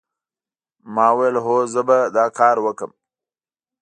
ما وویل هو زه به دا کار وکړم